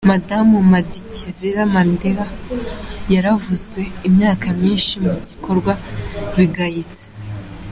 Madamu Madikizela-Mandela yaravuzwe imyaka myinshi mu bikogwa bigayitse.